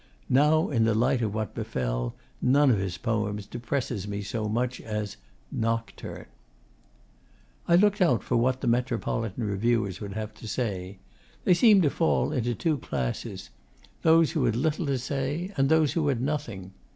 Now, in the light of what befell, none of his poems depresses me so much as 'Nocturne.' I looked out for what the metropolitan reviewers would have to say. They seemed to fall into two classes: those who had little to say and those who had nothing.